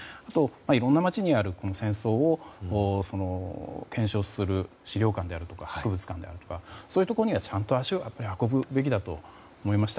いろんな街にある戦争を検証する資料館だとか博物館だとかにはちゃんと足を運ぶべきだと思いました。